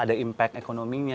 ada impact ekonominya